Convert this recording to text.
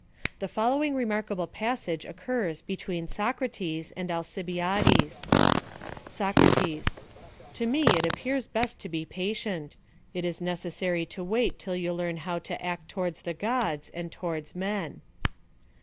The following remarkable passage occurs between Socrates and Alcibiades :— Socrates To me it appears best to be patient. It is necessa ry to wait till you learn how you ought to act towards the gods, and towards men.